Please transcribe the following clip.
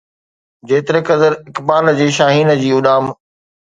جيتريقدر اقبال جي شاهين جي اڏام